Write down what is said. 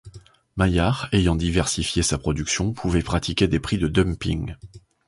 Maillard ayant diversifié sa production pouvait pratiquer des prix de dumping.